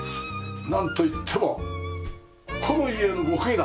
なんといってもこの家の模型だ！